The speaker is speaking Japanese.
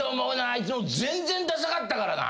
あいつ全然ダサかったからな。